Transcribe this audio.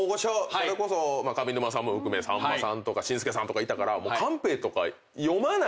それこそ上沼さんも含めさんまさんとか紳助さんとかいたからもうカンペとか読まない人。